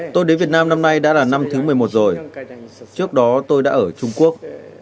tôi đến việt nam năm nay đã là năm thứ một mươi một rồi trước đó tôi đã ở trung quốc